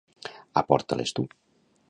Aporta-les tu!